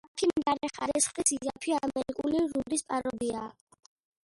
დაფი მდარე ხარისხის, იაფი, ამერიკული ლუდის პაროდიაა.